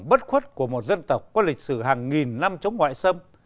bất khuất của một dân tộc có lịch sử hàng nghìn năm chống ngoại xâm